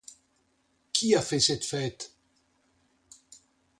Qui a fait cette fête?